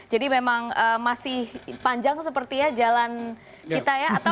jadi memang masih panjang sepertinya jalan kita ya